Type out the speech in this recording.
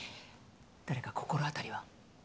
誰か心当たりは？